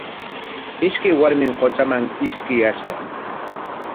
Ishkay warmim qutraman ishkiyashqa.